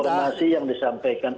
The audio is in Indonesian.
informasi yang disampaikan